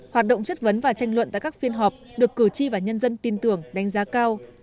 hoạt động chất vấn và tranh luận tại các phiên họp được cử tri và nhân dân tin tưởng đánh giá cao